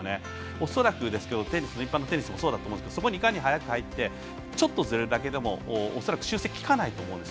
恐らく、一般のテニスもそうだと思いますがいかに早く入ってちょっとずれるだけでも恐らく修正がきかないと思うんです。